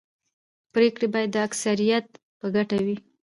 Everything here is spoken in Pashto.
پرېکړې باید د اکثریت په ګټه وي